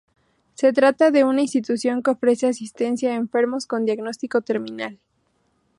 Se trata de una institución que ofrece asistencia a enfermos con diagnóstico terminal.